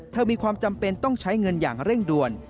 มีความจำเป็นต้องใช้เงินอย่างเร่งด่วน